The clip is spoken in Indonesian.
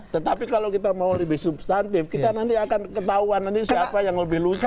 tetapi kalau kita mau lebih substantif kita nanti akan ketahuan nanti siapa yang lebih lucu